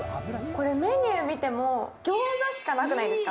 メニュー見ても餃子しかなくないですか。